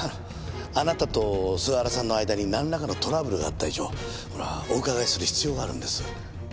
あなたと菅原さんの間になんらかのトラブルがあった以上お伺いする必要があるんです。